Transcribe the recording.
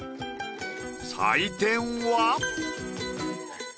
採点は。